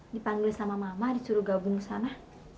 dipanggil sama mama disuruh gabung ke sana